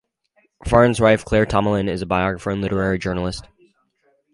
Frayn's wife, Claire Tomalin, is a biographer and literary journalist.